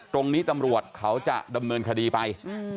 ตรงนี้ตำรวจเขาจะดำเนินคดีไป